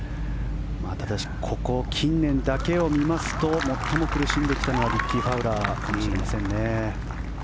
ただし、ここ近年だけを見ますと最も苦しんできたのはリッキー・ファウラーかもしれませんね。